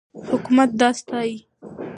حکومت دا ستایي.